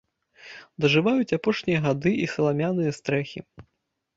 Дажываюць апошнія гады і саламяныя стрэхі.